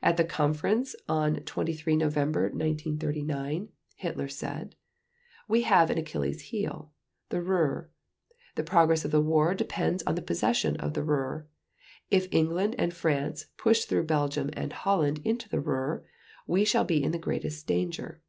At the conference on 23 November 1939 Hitler said: "We have an Achilles heel: The Ruhr. The progress of the war depends on the possession of the Ruhr. If England and France push through Belgium and Holland into the Ruhr, we shall be in the greatest danger